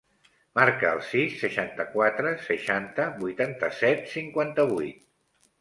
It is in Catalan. Marca el sis, seixanta-quatre, seixanta, vuitanta-set, cinquanta-vuit.